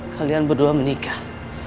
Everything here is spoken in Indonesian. kalian berdua menikah